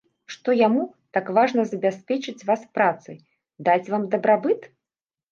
Што яму, так важна забяспечыць вас працай, даць вам дабрабыт?